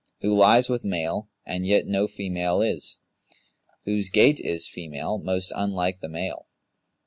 [FN#188] Who lies with male, and yet no female is, * Whose gait is female most unlike the male.'